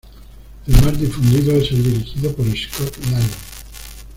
El más difundido es el dirigido por Scott Lyon.